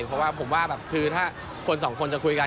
เพราะว่าผมว่าแบบคือถ้าคนสองคนจะคุยกัน